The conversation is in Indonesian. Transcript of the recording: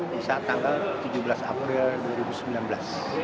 di saat tanggal tujuh belas april dua ribu sembilan belas